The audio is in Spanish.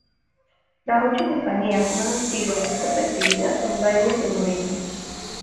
Las ocho compañías más antiguas de esta festividad, son bailes de Morenos.